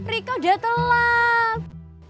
rika udah telat